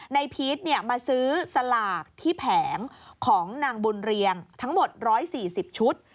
พีชมาซื้อสลากที่แผงของนางบุญเรียงทั้งหมด๑๔๐ชุด